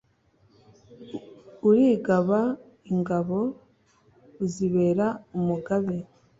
Urigaba Ingabo uzibera umugabe